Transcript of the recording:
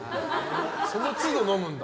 その都度、飲むんだ。